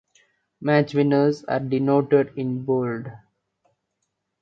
Match winners are denoted in bold.